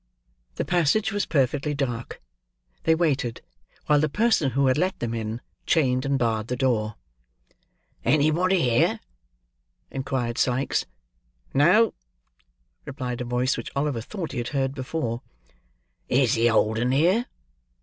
The passage was perfectly dark. They waited, while the person who had let them in, chained and barred the door. "Anybody here?" inquired Sikes. "No," replied a voice, which Oliver thought he had heard before. "Is the old 'un here?"